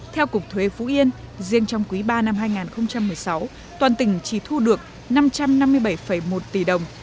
theo cục thuế phú yên riêng trong quý ba năm hai nghìn một mươi sáu toàn tỉnh chỉ thu được năm trăm năm mươi bảy một tỷ đồng